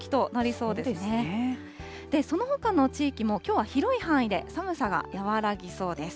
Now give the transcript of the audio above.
そのほかの地域もきょうは広い範囲で寒さが和らぎそうです。